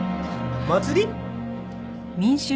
祭り？